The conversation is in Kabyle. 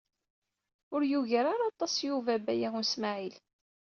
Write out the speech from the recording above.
Ur yugar ara aṭas Yuba Baya U Smaɛil.